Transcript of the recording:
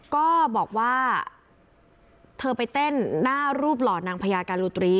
ก็บอกว่าเธอไปเต้นหน้ารูปหล่อนางพญาการุตรี